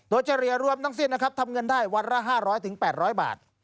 โดยเฉลี่ยรวมทั้งสิ้นนะครับทำเงินได้วันละ๕๐๐๘๐๐บาท